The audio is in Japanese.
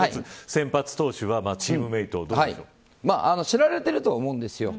先発投手はチームメイト知られてるとは思うんですよ。